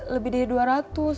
lebih dari dua ratus